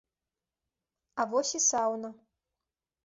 А вось і сауна.